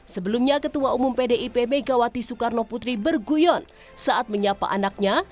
sebelumnya ketua umum pdip megawati soekarno putri berguyon saat menyapa anaknya